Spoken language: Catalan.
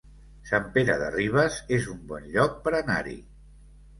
Sant Pere de Ribes es un bon lloc per anar-hi